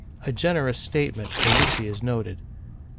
— a generous statement for which he is noted.